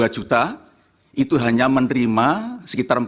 dua puluh dua dua puluh dua juta itu hanya menerima sekitar